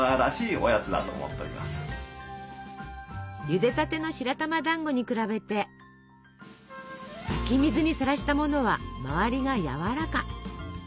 ゆでたての白玉だんごに比べて湧き水にさらしたものは周りがやわらか。